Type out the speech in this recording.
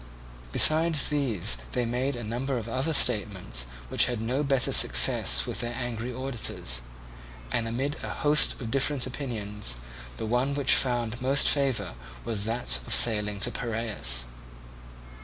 Besides these they made a number of other statements which had no better success with their angry auditors; and amid a host of different opinions the one which found most favour was that of sailing to Piraeus.